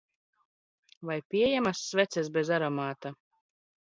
Vai pieejamas sveces bez aromāta?